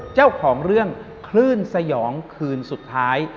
เจ้าของเรื่องคลื่นสยองคืนสุดท้าย